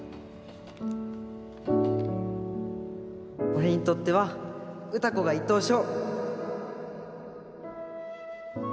俺にとっては歌子が１等賞。